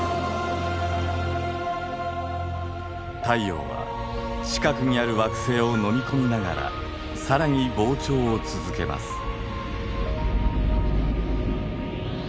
太陽は近くにある惑星を飲み込みながら更に膨張を続けます。